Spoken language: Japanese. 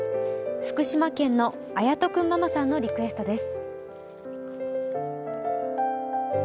福島県の綾人くんママさんのリクエストです。